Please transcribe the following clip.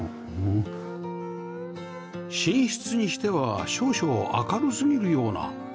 寝室にしては少々明るすぎるような